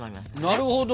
なるほど。